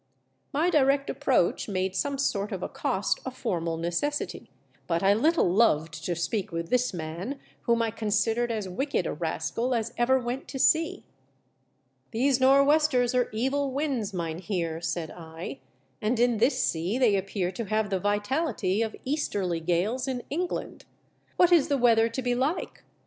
My direct approach made some sort of accost a formal necessity, but 1 little loved to speak with this man, whom I considered as wicked a rascal as ever went to sea. " These nor' westers are evil winds, mynheer," said I, "and in this sea they appear to have the vitality of easterly gales in England. What is the weather to be like